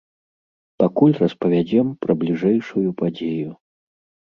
Пакуль распавядзем пра бліжэйшую падзею.